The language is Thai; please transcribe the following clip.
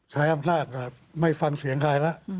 ใช้อำนาจไม่ฟังเสียงใครแล้ว